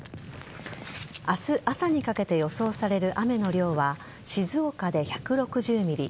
明日朝にかけて予想される雨の量は静岡で１６０ｍｍ